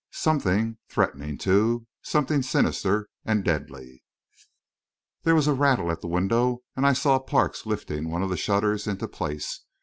Something threatening, too; something sinister and deadly There was a rattle at the window, and I saw Parks lifting one of the shutters into place.